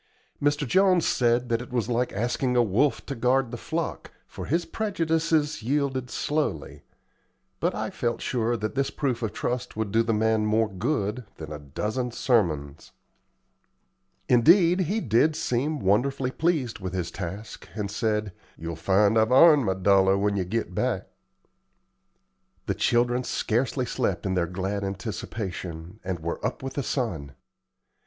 Mr. Jones said that it was like asking a wolf to guard the flock, for his prejudices yielded slowly; but I felt sure that this proof of trust would do the man more good than a dozen sermons. Indeed, he did seem wonderfully pleased with his task, and said, "Ye'll find I've 'arned my dollar when ye git back." The children scarcely slept in their glad anticipation, and were up with the sun.